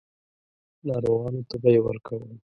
ناروغانو ته به یې ورکوم.